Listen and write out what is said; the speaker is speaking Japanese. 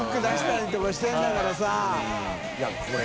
いやこれ。